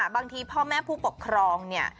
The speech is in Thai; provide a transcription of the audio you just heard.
พ่อแม่ผู้ปกครองเนี่ย